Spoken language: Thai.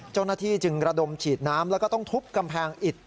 เจ้าหน้าที่จึงระดมฉีดน้ำแล้วก็ต้องทุบกำแพงอิด